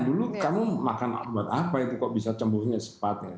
dulu kamu makan obat apa itu kok bisa sembuhnya cepatnya